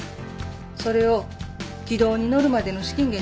それを軌道に乗るまでの資金源にしよう